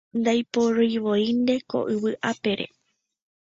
Ndaiporivoínte ko yvy apére